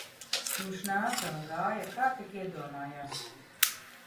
Viņš nāca un gāja kā tik iedomājās